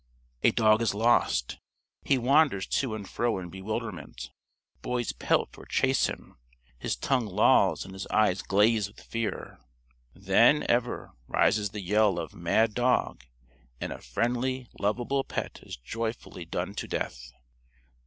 A dog is lost. He wanders to and fro in bewilderment. Boys pelt or chase him. His tongue lolls and his eyes glaze with fear. Then, ever, rises the yell of "Mad Dog!" And a friendly, lovable pet is joyfully done to death.